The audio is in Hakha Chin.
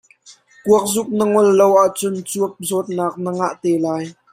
Kuak zuk na ngol lo ahcun cuap dawtnak na ngah te lai.